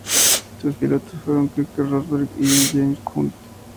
Sus pilotos fueron Keke Rosberg y James Hunt.